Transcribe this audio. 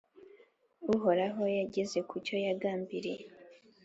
Uhoraho yageze ku cyo yagambiriye,